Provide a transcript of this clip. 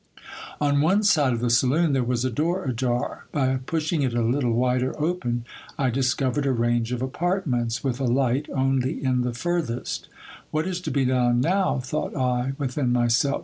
On one side of the saloon there was a door a jar ; by pushing it a little wider open, I discovered a range of apartments, with a light only in the fur th<st What is to be done now ? thought I within myself.